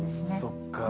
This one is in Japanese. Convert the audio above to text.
そっか。